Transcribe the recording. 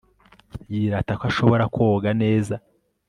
yirata ko ashobora koga neza